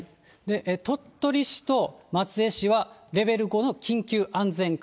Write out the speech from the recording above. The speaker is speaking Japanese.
鳥取市と松江市はレベル５の緊急安全確保。